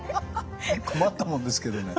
困ったもんですけどね。